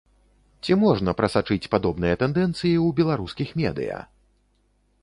Ці можна прасачыць падобныя тэндэнцыі ў беларускіх медыя?